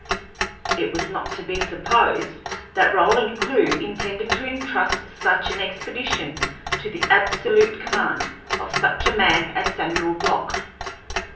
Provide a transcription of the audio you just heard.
It was not to be supposed that Roland Clewe intended to intrust such an expedition to the absolute command of such a man as old Samuel Block.